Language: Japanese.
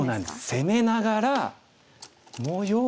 攻めながら。